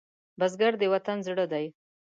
بزګر د وطن زړه دی